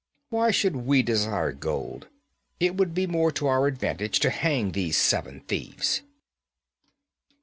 Why should we desire gold? It would be more to our advantage to hang these seven thieves.'